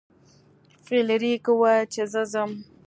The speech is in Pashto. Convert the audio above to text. فلیریک وویل چې زه ځم.